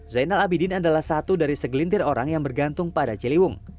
zainal abidin adalah satu dari segelintir orang yang bergantung pada ciliwung